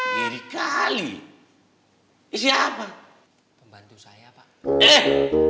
jadi kali siapa pembantu saya pak eh